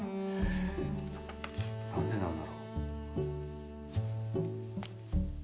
なんでなんだろう。